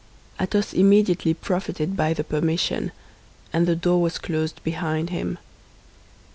Athos immediately profited by the permission, and the door was closed behind him.